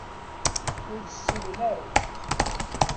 Ur ssinen ara.